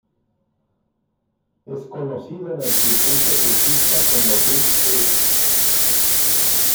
Es conocido en el circuito surfista como Big Foot.